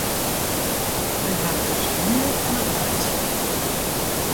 Wy hawwe ús fernield fan it laitsjen.